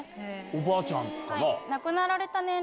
おばあちゃんかな？